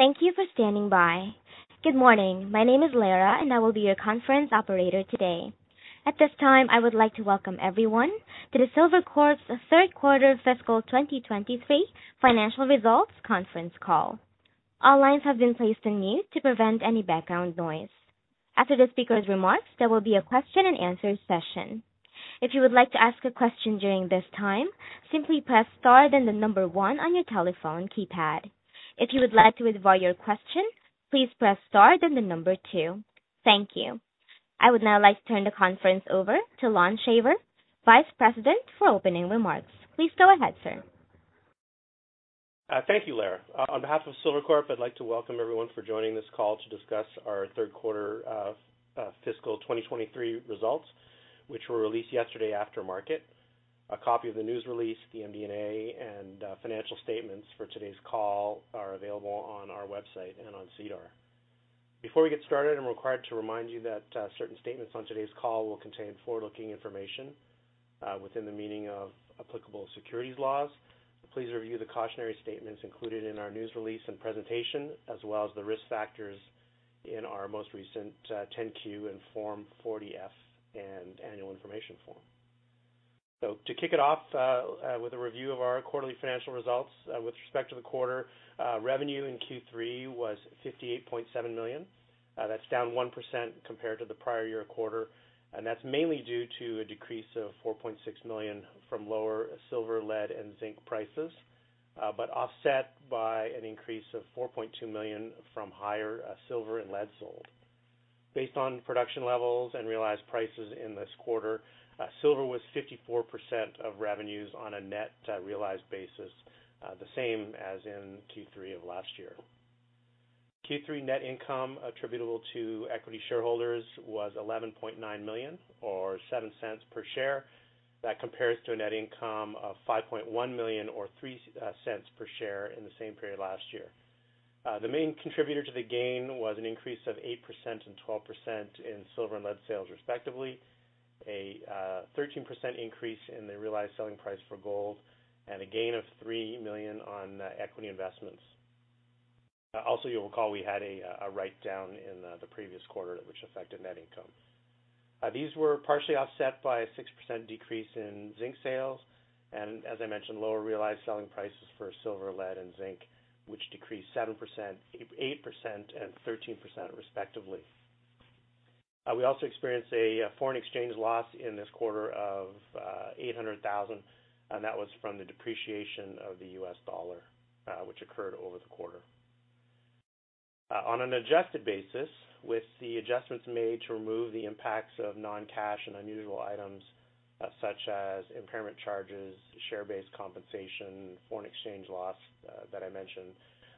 Thank you for standing by. Good morning. My name is Lara. I will be your conference operator today. At this time, I would like to welcome everyone to the Silvercorp's third quarter fiscal 2023 financial results conference call. All lines have been placed on mute to prevent any background noise. After the speaker's remarks, there will be a question-and-answer session. If you would like to ask a question during this time, simply press star then one on your telephone keypad. If you would like to withdraw your question, please press star then two. Thank you. I would now like to turn the conference over to Lon Shaver, Vice President, for opening remarks. Please go ahead, sir. Thank you, Lara. On behalf of Silvercorp, I'd like to welcome everyone for joining this call to discuss our third quarter fiscal 2023 results, which were released yesterday after market. A copy of the news release, the MD&A, and financial statements for today's call are available on our website and on SEDAR. Before we get started, I'm required to remind you that certain statements on today's call will contain forward-looking information within the meaning of applicable securities laws. Please review the cautionary statements included in our news release and presentation, as well as the risk factors in our most recent 10-Q and Form 40-F and annual information form. To kick it off with a review of our quarterly financial results. With respect to the quarter, revenue in Q3 was $58.7 million. That's down 1% compared to the prior year quarter, and that's mainly due to a decrease of $4.6 million from lower silver, lead, and zinc prices, but offset by an increase of $4.2 million from higher silver and lead sold. Based on production levels and realized prices in this quarter, silver was 54% of revenues on a net realized basis, the same as in Q3 of last year. Q3 net income attributable to equity shareholders was $11.9 million or $0.07 per share. That compares to a net income of $5.1 million or $0.03 per share in the same period last year. The main contributor to the gain was an increase of 8% and 12% in silver and lead sales, respectively, a 13% increase in the realized selling price for gold, and a gain of $3 million on equity investments. You'll recall we had a writedown in the previous quarter which affected net income. These were partially offset by a 6% decrease in zinc sales and as I mentioned, lower realized selling prices for silver, lead, and zinc, which decreased 7%, 8% and 13% respectively. We also experienced a foreign exchange loss in this quarter of $800,000, and that was from the depreciation of the U.S. dollar, which occurred over the quarter. On an adjusted basis, with the adjustments made to remove the impacts of non-cash and unusual items such as impairment charges, share-based compensation, foreign exchange loss, that I mentioned,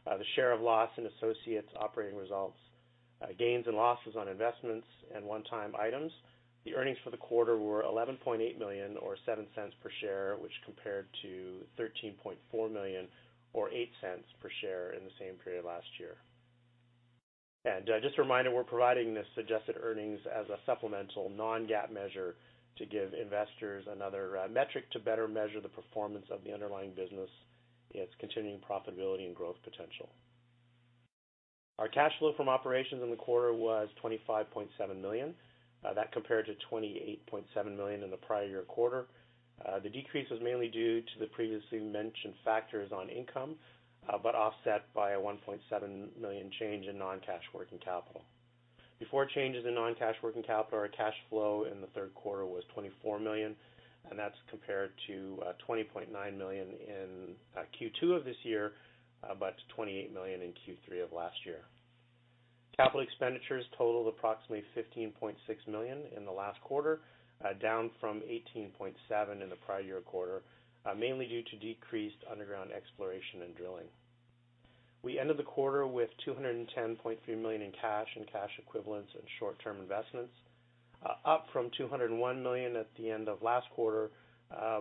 the share of loss in associates' operating results, gains and losses on investments and one-time items, the earnings for the quarter were $11.8 million or $0.07 per share, which compared to $13.4 million or $0.08 per share in the same period last year. Just a reminder, we're providing this suggested earnings as a supplemental non-GAAP measure to give investors another, metric to better measure the performance of the underlying business, its continuing profitability and growth potential. Our cash flow from operations in the quarter was $25.7 million. That compared to $28.7 million in the prior year quarter. The decrease was mainly due to the previously mentioned factors on income, offset by a $1.7 million change in non-cash working capital. Before changes in non-cash working capital, our cash flow in the third quarter was $24 million. That's compared to $20.9 million in Q2 of this year, $28 million in Q3 of last year. Capital expenditures totaled approximately $15.6 million in the last quarter, down from $18.7 million in the prior year quarter, mainly due to decreased underground exploration and drilling. We ended the quarter with $210.3 million in cash and cash equivalents and short-term investments, up from $201 million at the end of last quarter,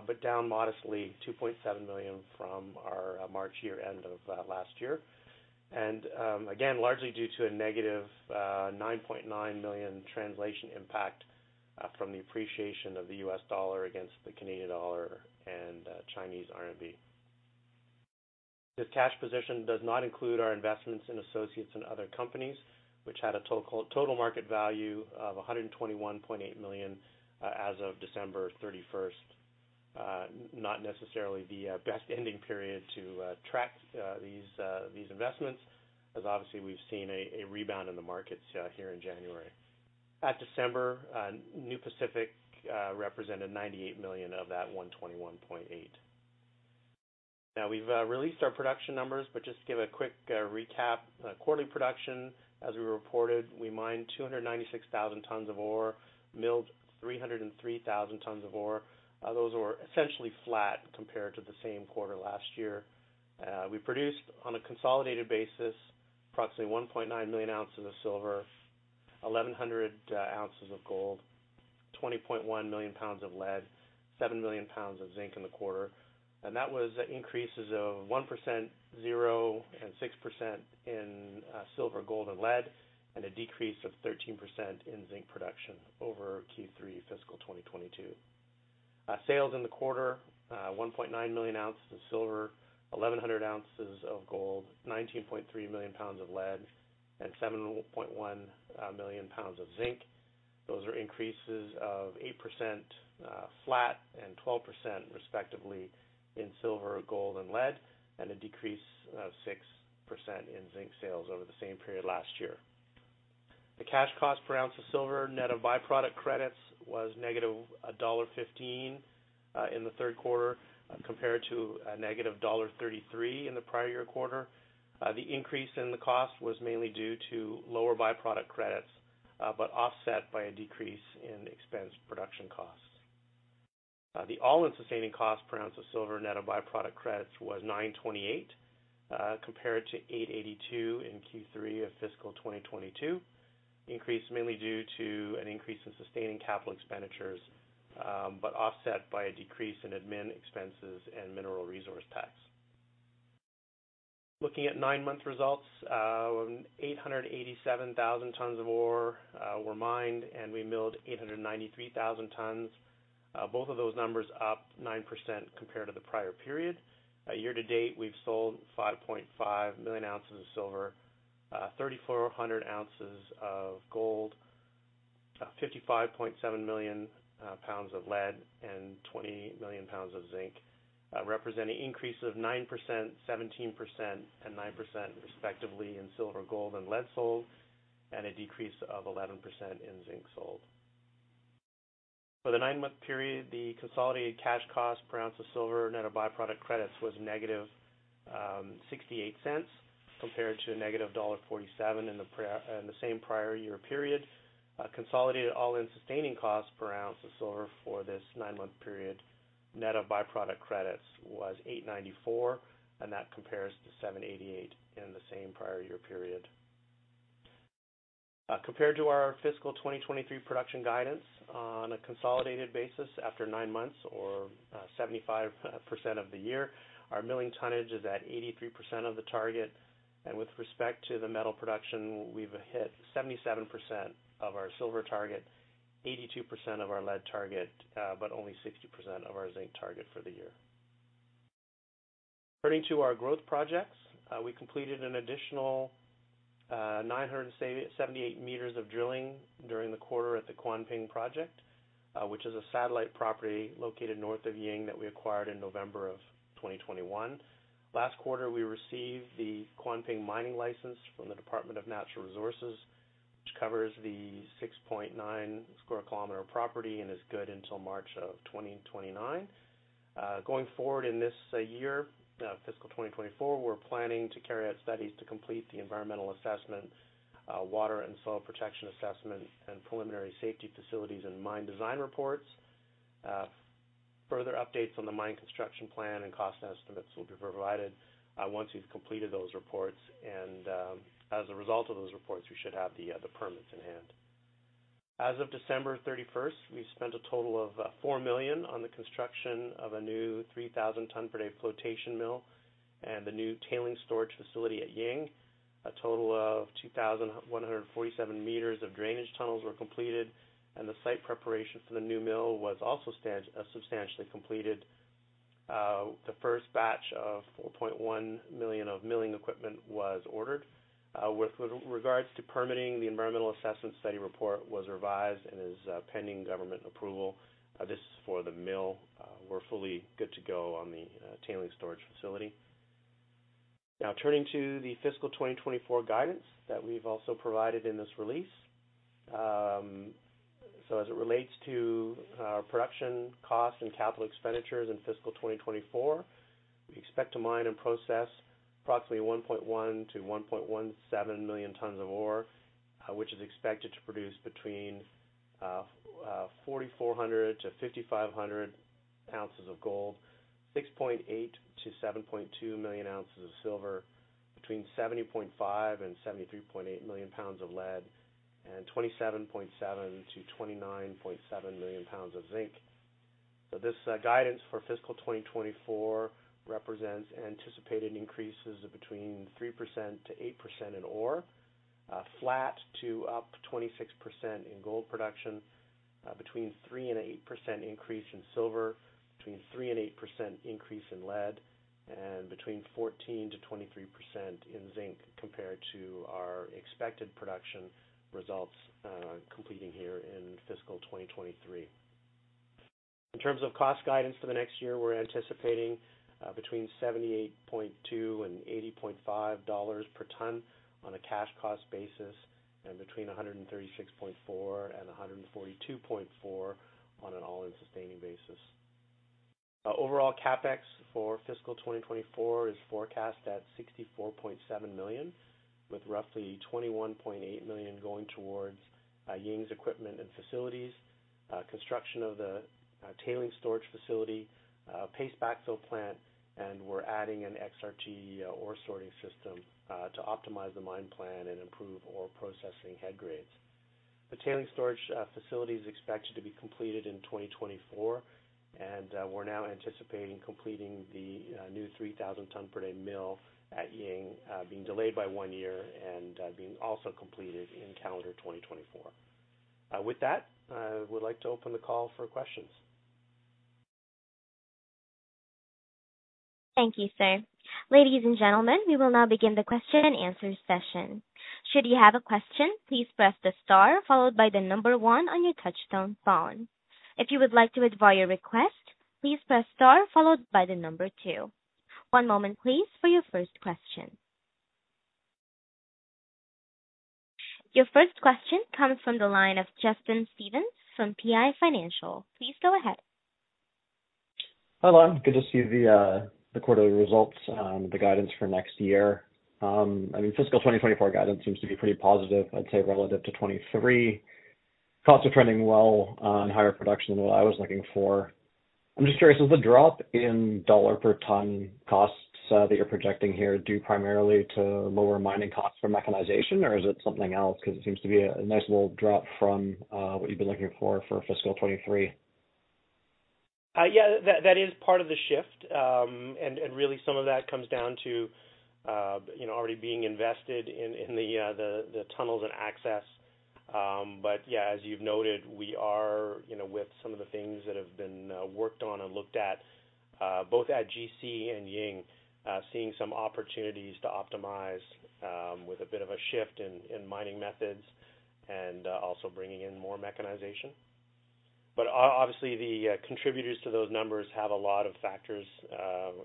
but down modestly $2.7 million from our March year-end of last year. Again, largely due to a negative $9.9 million translation impact from the appreciation of the U.S. dollar against the Canadian dollar and Chinese RMB. This cash position does not include our investments in associates and other companies, which had a total market value of $121.8 million as of December 31st. Not necessarily the best ending period to track these investments as obviously we've seen a rebound in the markets here in January. At December, New Pacific represented $98 million of that $121.8 million. Now we've released our production numbers, but just to give a quick recap. Quarterly production, as we reported, we mined 296,000 tons of ore, milled 303,000 tons of ore. Those were essentially flat compared to the same quarter last year. We produced on a consolidated basis approximately 1.9 million oz of silver, 1,100 oz of gold, 20.1 million lbs of lead, 7 million lbs of zinc in the quarter. That was increases of 1%, 0%, and 6% in silver, gold, and lead, and a decrease of 13% in zinc production over Q3 fiscal 2022. Sales in the quarter, 1.9 million oz of silver, 1,100 oz of gold, 19.3 million lbs of lead, and 7.1 million lbs of zinc. Those are increases of 8%, flat and 12% respectively in silver, gold, and lead, and a decrease of 6% in zinc sales over the same period last year. The cash cost per ounce of silver, net of byproduct credits, was negative $1.15 in the third quarter compared to a negative $1.33 in the prior year quarter. The increase in the cost was mainly due to lower byproduct credits, but offset by a decrease in expense production costs. The all-in sustaining cost per ounce of silver, net of byproduct credits, was $9.28 compared to $8.82 in Q3 of fiscal 2022. Increase mainly due to an increase in sustaining capital expenditures, but offset by a decrease in admin expenses and mineral resource tax. Looking at nine-month results, 887,000 tons of ore were mined, and we milled 893,000 tons. Both of those numbers up 9% compared to the prior period. Year to date, we've sold 5.5 million oz of silver, 3,400 oz of gold, 55.7 million lbs of lead, and 20 million lbs of zinc, represent an increase of 9%, 17%, and 9% respectively in silver, gold, and lead sold, and a decrease of 11% in zinc sold. For the nine-month period, the consolidated cash cost per ounce of silver, net of byproduct credits, was negative $0.68 compared to a negative $1.47 in the same prior year period. Consolidated all-in sustaining cost per ounce of silver for this nine-month period, net of byproduct credits, was $8.94, and that compares to $7.88 in the same prior year period. Compared to our fiscal 2023 production guidance on a consolidated basis after nine months or 75% of the year, our milling tonnage is at 83% of the target. With respect to the metal production, we've hit 77% of our silver target, 82% of our lead target, but only 60% of our zinc target for the year. Turning to our growth projects, we completed an additional 978 m of drilling during the quarter at the Kuanping project, which is a satellite property located north of Ying that we acquired in November of 2021. Last quarter, we received the Kuanping mining license from the Ministry of Natural Resources, which covers the 6.9 km2 property and is good until March of 2029. Going forward in this year, fiscal 2024, we're planning to carry out studies to complete the environmental assessment, water and soil protection assessment, and preliminary safety facilities and mine design reports. Further updates on the mine construction plan and cost estimates will be provided once we've completed those reports. As a result of those reports, we should have the permits in hand. As of December 31st, we spent a total of $4 million on the construction of a new 3,000 ton per day flotation mill and the new tailings storage facility at Ying. A total of 2,147 m of drainage tunnels were completed, and the site preparation for the new mill was also substantially completed. The first batch of $4.1 million of milling equipment was ordered. With regards to permitting, the environmental assessment study report was revised and is pending government approval. This is for the mill. We're fully good to go on the tailings storage facility. Now turning to the fiscal 2024 guidance that we've also provided in this release. As it relates to production costs and capital expenditures in fiscal 2024, we expect to mine and process approximately 1.1 million to 1.17 million tons of ore, which is expected to produce between 4,400 oz to 5,500 oz of gold, 6.8 million to 7.2 million oz of silver, between 70.5 million and 73.8 million lbs of lead, and 27.7 million to 29.7 million lbs of zinc. This guidance for fiscal 2024 represents anticipated increases of between 3%-8% in ore, flat to up 26% in gold production, between 3% and 8% increase in silver, between 3% and 8% increase in lead, and between 14%-23% in zinc compared to our expected production results completing here in fiscal 2023. In terms of cost guidance for the next year, we're anticipating between $78.2 and $80.5 per ton on a cash cost basis and between $136.4 and $142.4 on an all-in sustaining basis. Overall CapEx for fiscal 2024 is forecast at $64.7 million, with roughly $21.8 million going towards Ying's equipment and facilities, construction of the tailings storage facility, paste backfill plant, and we're adding an XRT ore sorting system to optimize the mine plan and improve ore processing head grades. The tailings storage facility is expected to be completed in 2024. We're now anticipating completing the new 3,000 ton per day mill at Ying, being delayed by one year and being also completed in calendar 2024. With that, I would like to open the call for questions. Thank you, sir. Ladies and gentlemen, we will now begin the question and answer session. Should you have a question, please press the star followed by the number one on your touchtone phone. If you would like to withdraw your request, please press star followed by the number two. One moment, please, for your first question. Your first question comes from the line of Justin Stevens from PI Financial. Please go ahead. Hello. Good to see the quarterly results, the guidance for next year. I mean fiscal 2024 guidance seems to be pretty positive, I'd say relative to 2023. Costs are trending well on higher production than what I was looking for. I'm just curious, is the drop in dollar per ton costs that you're projecting here due primarily to lower mining costs from mechanization, or is it something else? It seems to be a nice little drop from what you've been looking for for fiscal 2023. Yeah, that is part of the shift. Really some of that comes down to, you know, already being invested in the tunnels and access. Yeah, as you've noted, we are, you know, with some of the things that have been worked on and looked at, both at GC and Ying, seeing some opportunities to optimize with a bit of a shift in mining methods and also bringing in more mechanization. Obviously, the contributors to those numbers have a lot of factors,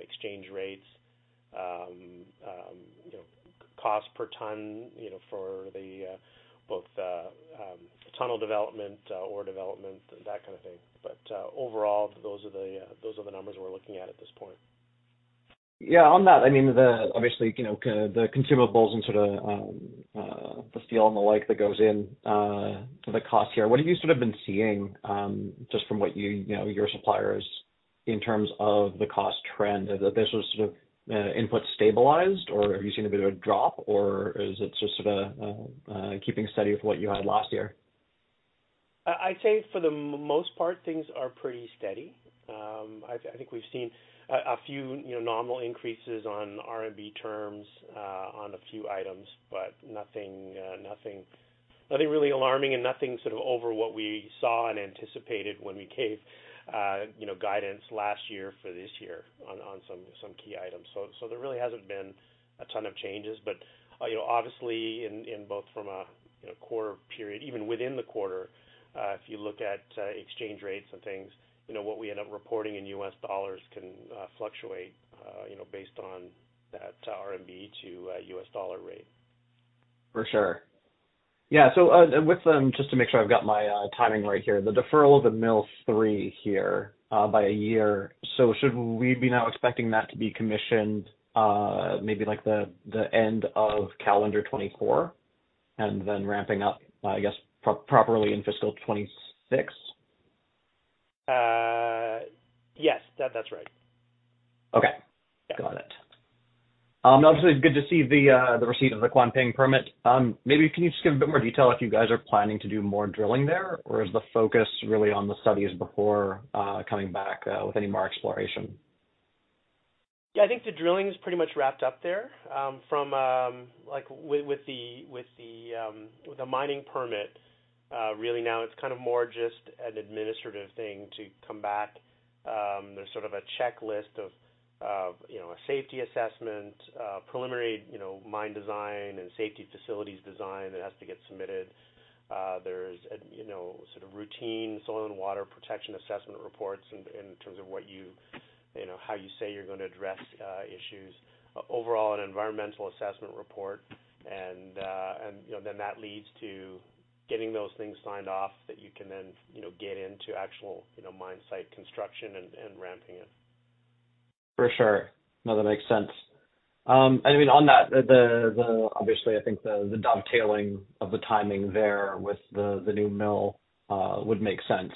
exchange rates, you know, cost per ton, you know, for the both tunnel development, ore development, that kind of thing. Overall, those are the numbers we're looking at at this point. Yeah. On that, I mean, the obviously, you know, kinda the consumables and sort of, the steel and the like that goes in, to the cost here. What have you sort of been seeing, just from what you know, your suppliers in terms of the cost trend? Has this sort of, input stabilized, or have you seen a bit of a drop, or is it just sort of, keeping steady with what you had last year? I'd say for the most part, things are pretty steady. I think we've seen a few, you know, normal increases on RMB terms, on a few items, but nothing really alarming and nothing sort of over what we saw and anticipated when we gave, you know, guidance last year for this year on some key items. There really hasn't been a ton of changes. You know, obviously in both from a, you know, quarter period, even within the quarter, if you look at exchange rates and things, you know, what we end up reporting in U.S. dollars can fluctuate, based on that RMB to U.S. dollar rate. For sure. Yeah. With, just to make sure I've got my timing right here, the deferral of the mill three here by a year, so should we be now expecting that to be commissioned maybe like the end of calendar 2024 and then ramping up, I guess, properly in fiscal 2026? Yes. That's right. Okay. Yeah. Got it. Obviously it's good to see the receipt of the Kuanping permit. Maybe can you just give a bit more detail if you guys are planning to do more drilling there, or is the focus really on the studies before coming back with any more exploration? I think the drilling is pretty much wrapped up there, with the mining permit. Really now it's kind of more just an administrative thing to come back. There's sort of a checklist of, you know, a safety assessment, preliminary, you know, mine design and safety facilities design that has to get submitted. There's, you know, sort of routine soil and water protection assessment reports in terms of what you know, how you say you're gonna address issues. Overall an environmental assessment report and you know, then that leads to getting those things signed off that you can then, you know, get into actual, you know, mine site construction and ramping it. For sure. No, that makes sense. I mean, on that, the obviously, I think the dovetailing of the timing there with the new mill would make sense.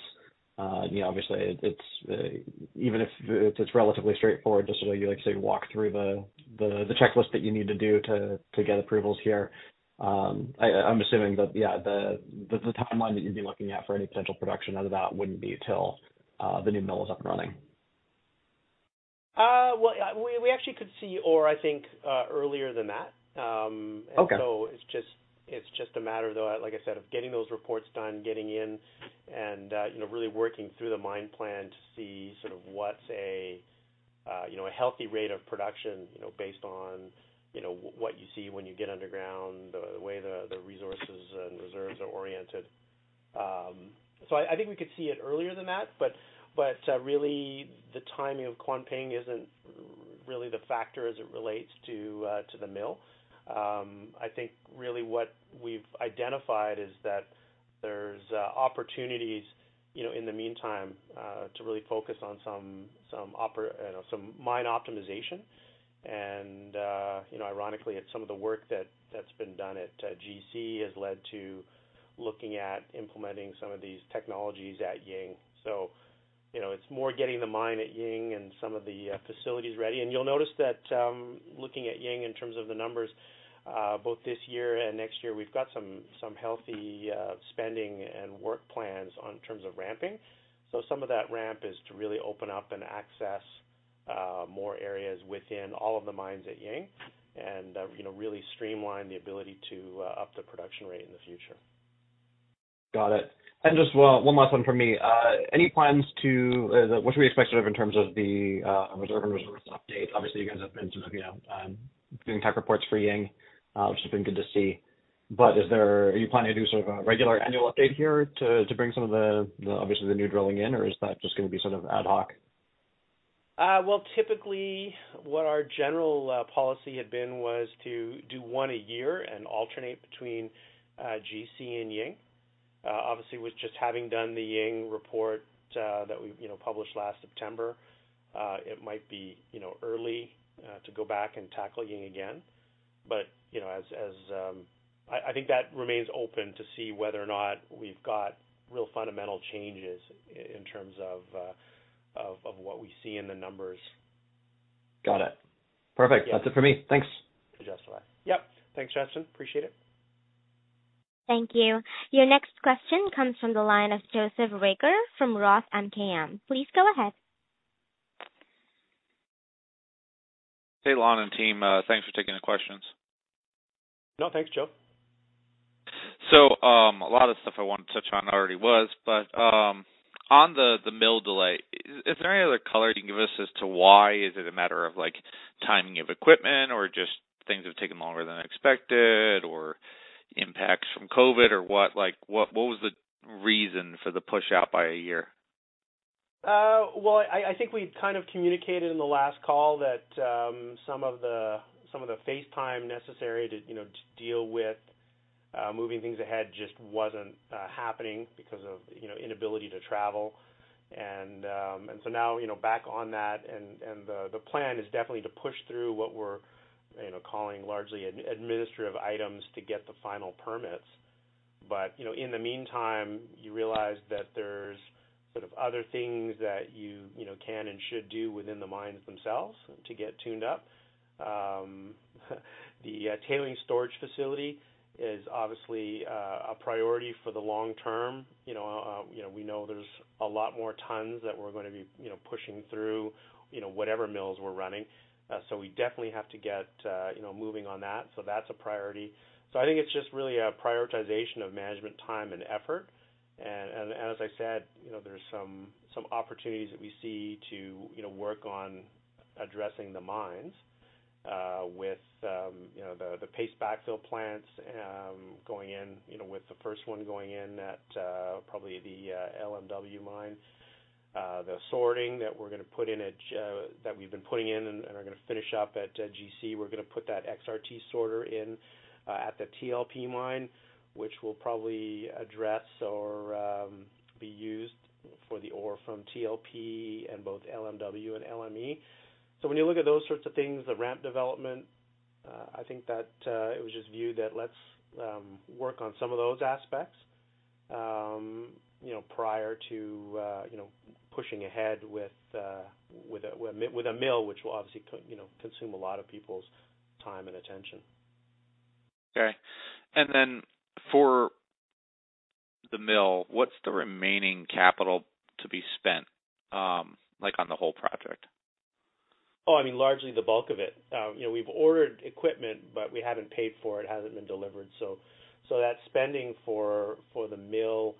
You know, obviously it's even if it's relatively straightforward, just so you like say, walk through the checklist that you need to get approvals here, I'm assuming that, yeah, the timeline that you'd be looking at for any potential production out of that wouldn't be till the new mill is up and running. Well, we actually could see ore, I think, earlier than that. Okay. It's just a matter though, like I said, of getting those reports done, getting in and, you know, really working through the mine plan to see sort of what's a, you know, a healthy rate of production, you know, based on, you know, what you see when you get underground, the way the resources and reserves are oriented. I think we could see it earlier than that. But, really the timing of Kuanping isn't really the factor as it relates to the mill. I think really what we've identified is that there's opportunities, you know, in the meantime, to really focus on some, you know, some mine optimization. You know, ironically, it's some of the work that's been done at GC has led to looking at implementing some of these technologies at Ying. You know, it's more getting the mine at Ying and some of the facilities ready. You'll notice that, looking at Ying in terms of the numbers, both this year and next year, we've got some healthy spending and work plans on terms of ramping. Some of that ramp is to really open up and access more areas within all of the mines at Ying and, you know, really streamline the ability to up the production rate in the future. Got it. Just one last one from me. Any plans to what should we expect, sort of, in terms of the reserve and resource update? Obviously, you guys have been sort of, you know, doing tech reports for Ying, which has been good to see. Are you planning to do sort of a regular annual update here to bring some of the obviously the new drilling in, or is that just gonna be sort of ad hoc? Well, typically, what our general policy had been was to do one a year and alternate between, GC and Ying. Obviously, with just having done the Ying report, that we, you know, published last September, it might be, you know, early, to go back and tackle Ying again. You know, as... I think that remains open to see whether or not we've got real fundamental changes in terms of what we see in the numbers. Got it. Perfect. Yeah. That's it for me. Thanks. To Justin. Yep. Thanks, Justin. Appreciate it. Thank you. Your next question comes from the line of Joseph Reagor from ROTH MKM. Please go ahead. Hey, Lon and team. Thanks for taking the questions. No, thanks, Joe. A lot of stuff I wanted to touch on already was, but, on the mill delay, is there any other color you can give us as to why? Is it a matter of, like, timing of equipment or just things have taken longer than expected or impacts from COVID or what? Like, what was the reason for the push out by a year? Well, I think we kind of communicated in the last call that some of the, some of the face time necessary to, you know, to deal with moving things ahead just wasn't happening because of, you know, inability to travel. Now, you know, back on that and the plan is definitely to push through what we're, you know, calling largely ad-administrative items to get the final permits. You know, in the meantime, you realize that there's sort of other things that you know, can and should do within the mines themselves to get tuned up. The tailings storage facility is obviously a priority for the long term. You know, you know, we know there's a lot more tons that we're gonna be, you know, pushing through, you know, whatever mills we're running. We definitely have to get moving on that. That's a priority. I think it's just really a prioritization of management time and effort. As I said, there's some opportunities that we see to work on addressing the mines with the paste backfill plants going in with the first one going in at probably the LMW mine. The sorting that we're gonna put in at that we've been putting in and are gonna finish up at GC, we're gonna put that XRT sorter in at the TLP mine, which will probably address or be used for the ore from TLP and both LMW and LME. When you look at those sorts of things, the ramp development, I think that it was just viewed that let's work on some of those aspects, you know, prior to, you know, pushing ahead with a mill, which will obviously, you know, consume a lot of people's time and attention. For the mill, what's the remaining capital to be spent on the whole project? I mean, largely the bulk of it. You know, we've ordered equipment, but we haven't paid for it. It hasn't been delivered. That spending for the mill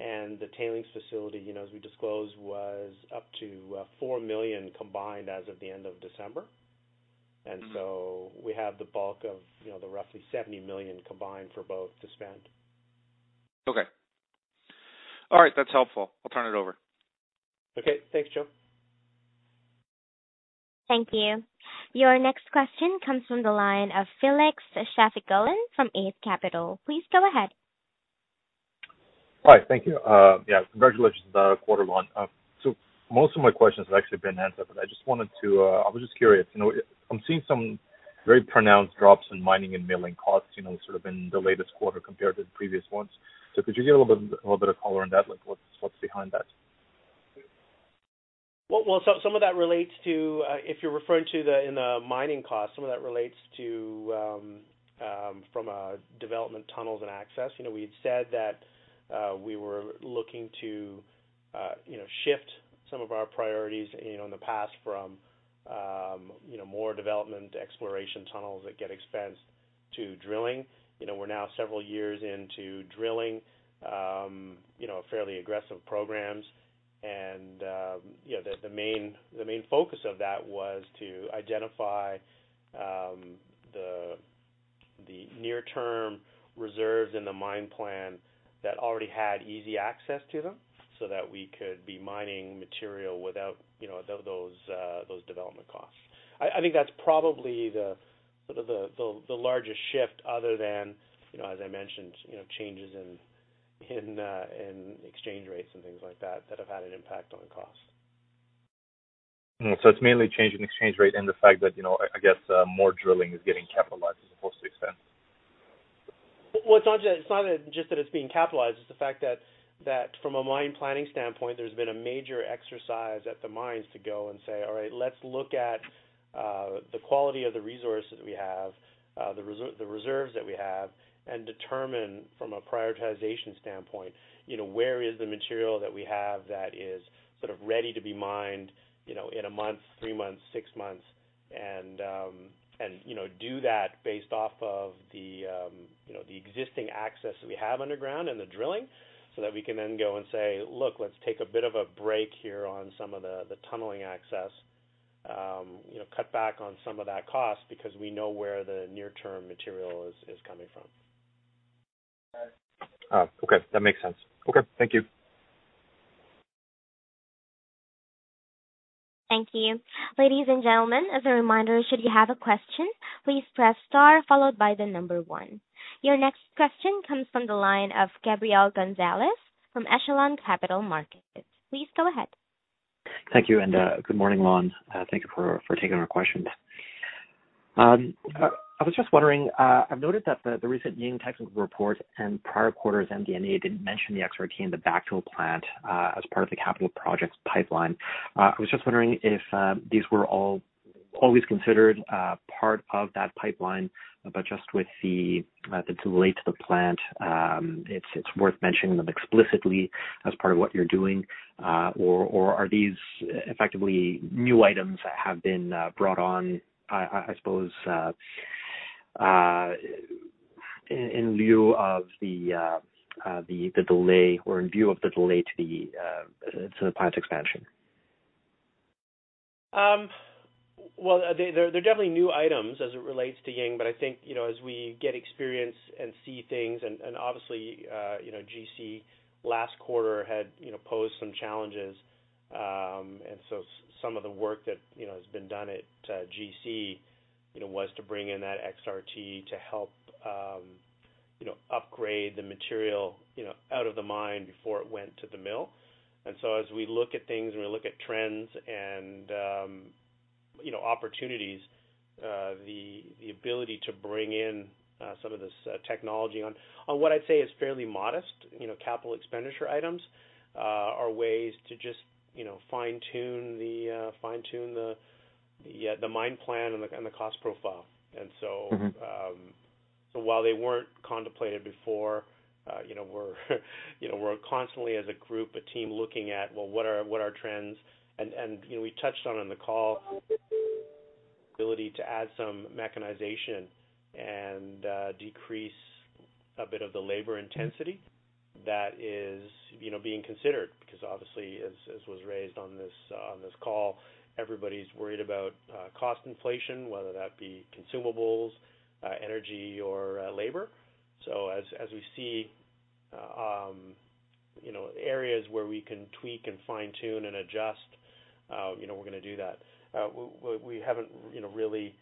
and the tailings facility, you know, as we disclosed, was up to $4 million combined as of the end of December. Mm-hmm. We have the bulk of, you know, the roughly $70 million combined for both to spend. Okay. All right. That's helpful. I'll turn it over. Okay. Thanks, Joe. Thank you. Your next question comes from the line of Felix Shafigullin from Eight Capital. Please go ahead. Hi. Thank you. Yeah, congratulations on the quarter, Lon. Most of my questions have actually been answered, but I just wanted to, I was just curious, you know, I'm seeing some very pronounced drops in mining and milling costs, you know, sort of in the latest quarter compared to the previous ones. Could you give a little bit of color on that? Like, what's behind that? Well, some of that relates to, if you're referring to the, in the mining cost, some of that relates to, from development tunnels and access. You know, we had said that we were looking to, you know, shift some of our priorities, you know, in the past from, you know, more development exploration tunnels that get expensed to drilling. You know, we're now several years into drilling, you know, fairly aggressive programs. You know, the main focus of that was to identify the near term reserves in the mine plan that already had easy access to them, so that we could be mining material without, you know, those development costs. I think that's probably the, sort of the largest shift other than, you know, as I mentioned, you know, changes in exchange rates and things like that have had an impact on costs. It's mainly change in exchange rate and the fact that, you know, I guess, more drilling is getting capitalized as opposed to expense. Well, it's not just that it's being capitalized, it's the fact that from a mine planning standpoint, there's been a major exercise at the mines to go and say, "All right, let's look at the quality of the resources we have, the reserves that we have, and determine from a prioritization standpoint, you know, where is the material that we have that is sort of ready to be mined, you know, in one month, three months, six months?" You know, do that based off of the, you know, the existing access we have underground and the drilling so that we can then go and say, "Look, let's take a bit of a break here on some of the tunneling access, you know, cut back on some of that cost because we know where the near-term material is coming from. Okay, that makes sense. Okay, thank you. Thank you. Ladies and gentlemen, as a reminder, should you have a question, please press star followed by the number one. Your next question comes from the line of Gabriel Gonzalez from Echelon Capital Markets. Please go ahead. Thank you. Good morning, Lon. Thank you for taking our questions. I was just wondering, I've noted that the recent Ying technical report and prior quarters MD&A didn't mention the XRT in the backfill plant as part of the capital projects pipeline. I was just wondering if these were always considered part of that pipeline, but just with the delay to the plant, it's worth mentioning them explicitly as part of what you're doing. Or are these effectively new items that have been brought on, I suppose, in lieu of the delay or in view of the delay to the plant expansion? Well, they're definitely new items as it relates to Ying, but I think, you know, as we get experience and see things and obviously, you know, GC last quarter had, you know, posed some challenges. Some of the work that, you know, has been done at GC, you know, was to bring in that XRT to help, you know, upgrade the material, you know, out of the mine before it went to the mill. As we look at things and we look at trends and, you know, opportunities, the ability to bring in some of this technology on what I'd say is fairly modest, you know, capital expenditure items, are ways to just, you know, fine-tune the mine plan and the cost profile. Mm-hmm. So while they weren't contemplated before, you know, we're, you know, we're constantly as a group, a team looking at, well, what are, what are trends? You know, we touched on the call ability to add some mechanization and decrease a bit of the labor intensity that is, you know, being considered. Because obviously, as was raised on this, on this call, everybody's worried about cost inflation, whether that be consumables, energy or labor. As, as we see, you know, areas where we can tweak and fine-tune and adjust, you know, we're gonna do that. We haven't, you know, really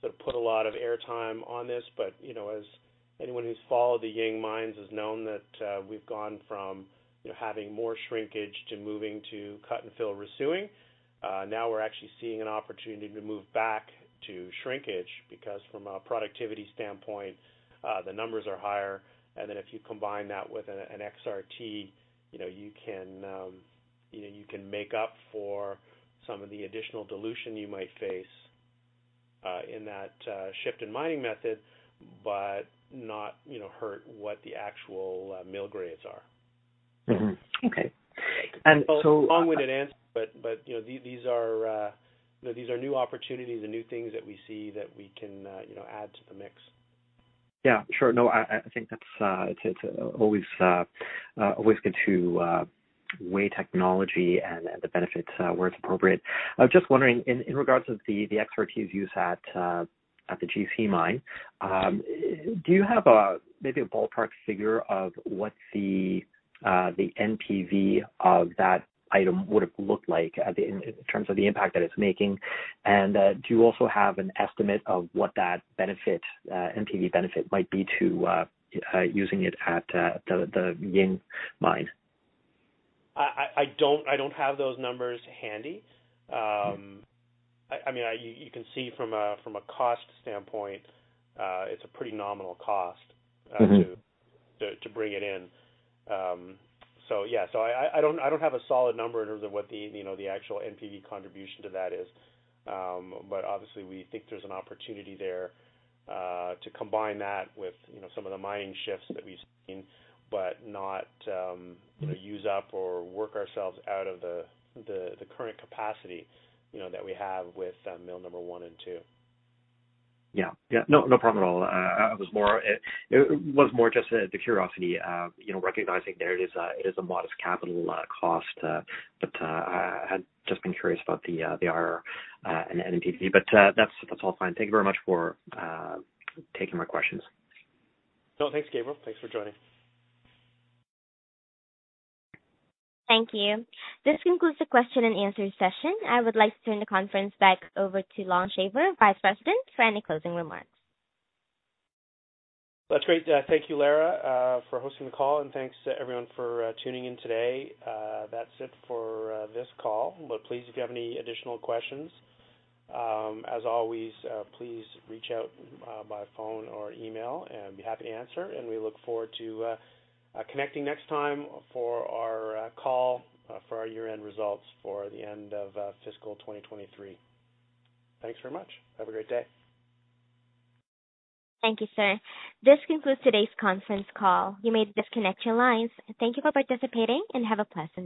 sort of put a lot of airtime on this, but, you know, as anyone who's followed the Ying mines has known that we've gone from, you know, having more shrinkage to moving to cut-and-fill resuing. Now we're actually seeing an opportunity to move back to shrinkage because from a productivity standpoint, the numbers are higher. Then if you combine that with an XRT, you know, you can, you know, you can make up for some of the additional dilution you might face in that shift in mining method, but not, you know, hurt what the actual mill grades are. Mm-hmm. Okay. Long-winded answer, you know, these are new opportunities and new things that we see that we can, you know, add to the mix. Yeah, sure. No, I think that's, it's always good to weigh technology and the benefits where it's appropriate. I was just wondering in regards to the XRTs used at the GC mine, do you have a maybe a ballpark figure of what the NPV of that item would have looked like at the end in terms of the impact that it's making? Do you also have an estimate of what that benefit, NPV benefit might be to using it at the Ying mine? I don't have those numbers handy. I mean, you can see from a, from a cost standpoint, it's a pretty nominal cost. Mm-hmm. to, to bring it in. Yeah, so I don't, I don't have a solid number in terms of what the, you know, the actual NPV contribution to that is. Obviously we think there's an opportunity there to combine that with, you know, some of the mining shifts that we've seen, but not, you know, use up or work ourselves out of the, the current capacity, you know, that we have with, mill number one and two. Yeah. Yeah. No, no problem at all. I was more just out of curiosity, you know, recognizing there it is, it is a modest capital cost. I had just been curious about the IRR and NPV, that's all fine. Thank you very much for taking my questions. No, thanks, Gabriel. Thanks for joining. Thank you. This concludes the question and answer session. I would like to turn the conference back over to Lon Shaver, Vice President, for any closing remarks. That's great. Thank you, Lara, for hosting the call, and thanks to everyone for tuning in today. That's it for this call. Please, if you have any additional questions, as always, please reach out by phone or email, and I'd be happy to answer. We look forward to connecting next time for our call for our year-end results for the end of fiscal 2023. Thanks very much. Have a great day. Thank you, sir. This concludes today's conference call. You may disconnect your lines. Thank you for participating, and have a blessed day.